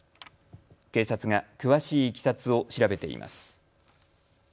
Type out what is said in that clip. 警察が詳しいいきさつを調べています。